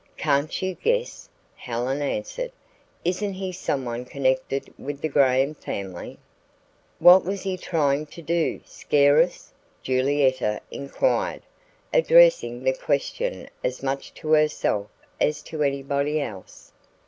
"Can't you guess?" Helen answered. "Isn't he someone connected with the Graham family?" "What was he trying to do scare us?" Julietta inquired, addressing the question as much to herself as to anybody else.